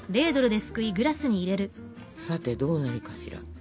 さてどうなるかしら？